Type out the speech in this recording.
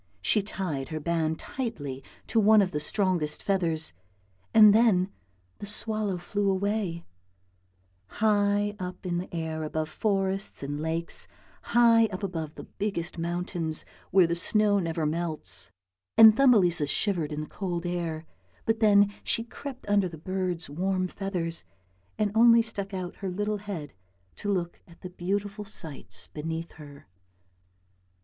She tied her band tightly to one of the strongest feathers, and then the swallow flew away, high up in the air above forests and lakes, high up above the biggest mountains where the snow never melts; and Thumbelisa shivered in the cold air, but then she crept under the bird's warm feathers, and only stuck out her little head to look at the beautiful sights beneath her.